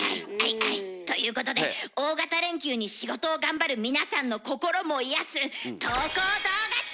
ということで大型連休に仕事を頑張る皆さんの心も癒やす投稿動画集！